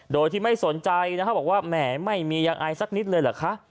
โดยที่ไม่สนใจนะครับบอกว่าแหมไม่มียังอายสักนิดเลยเหรอคะ